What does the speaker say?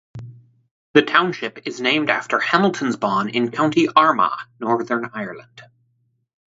The township is named after Hamiltonsbawn in County Armagh, Northern Ireland.